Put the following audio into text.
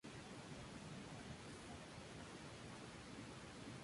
Colectó palmas, orquídeas, y otras spp.